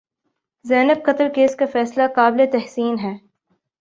زینب قتل کیس کا فیصلہ قابل تحسین ہے۔